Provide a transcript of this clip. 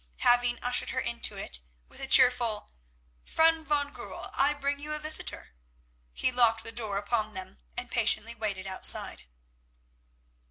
Having ushered her into it, with a cheerful "Friend van Goorl, I bring you a visitor," he locked the door upon them, and patiently waited outside.